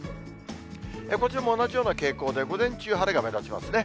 こちらも同じような傾向で、午前中、晴れが目立ちますね。